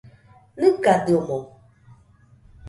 ¿Nɨgadɨomoɨ?